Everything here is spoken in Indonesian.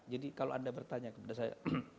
jadi kalau anda bertanya kepada saya